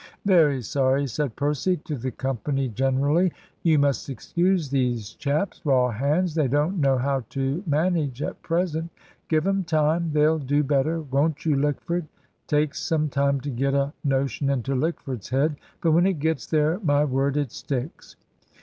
"Very sorry," said Percy to the company generally. "You must excuse these chaps raw hands they don't know how to manage at present. Give 'em time. They'll do better; won't you, Lickford? Takes some time to get a notion into Lickford's head, but when it gets there, my word, it sticks.